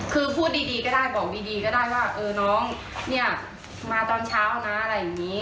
คือพูดดีก็ได้บอกดีก็ได้ว่าเออน้องเนี่ยมาตอนเช้านะอะไรอย่างนี้